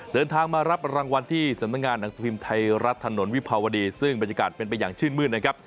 เดินทางมารับรางวัลที่สำนักงานหนังสือพิมพ์ไทยรัฐถนนวิภาวดีซึ่งบรรยากาศเป็นไปอย่างชื่นมืดนะครับ